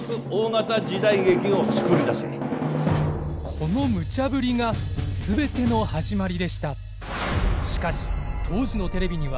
このムチャぶりが全ての始まりでした。